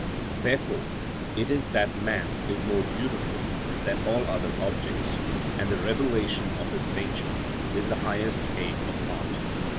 Therefore it is that man is more beautiful than all other objects, and the revelation of his nature is the highest aim of art.